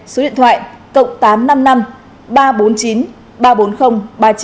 số điện thoại cộng tám trăm năm mươi năm ba trăm bốn mươi chín ba mươi bốn nghìn ba mươi chín